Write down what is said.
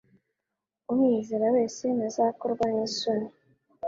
Umwizera wese ntazakorwa n'isoni.